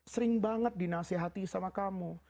sering banget dinasihati sama kamu